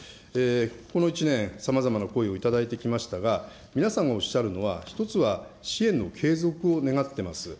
この１年、さまざまな声を頂いてきましたが、皆様がおっしゃるのは、１つは支援の継続を願ってます。